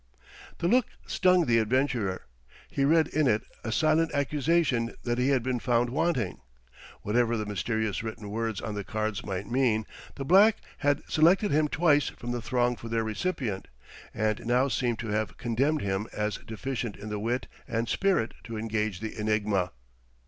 The look stung the adventurer. He read in it a silent accusation that he had been found wanting. Whatever the mysterious written words on the cards might mean, the black had selected him twice from the throng for their recipient; and now seemed to have condemned him as deficient in the wit and spirit to engage the enigma.